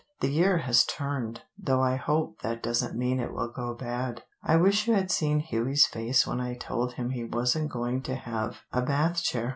The year has turned, though I hope that doesn't mean it will go bad. I wish you had seen Hughie's face when I told him he wasn't going to have a Bath chair.